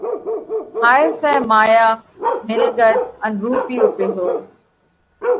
هائي سئہ مايا، مِلڳت ان رُوپيو پئِيهو۔